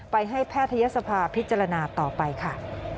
ไปให้แพทยศภาพิจารณาต่อไปค่ะ